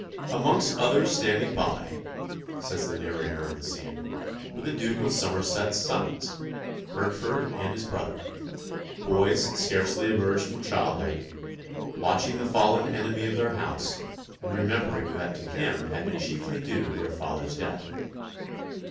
"Amongst others standing by," says the narrator of the scene, "were the Duke of Somerset's sons," Hertford and his brother, boys scarcely emerged from childhood; watching the fallen enemy of their house, and remembering that to him had been chiefly due their father's death.